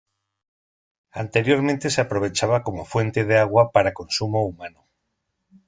Anteriormente se aprovechaba como fuente de agua para consumo humano.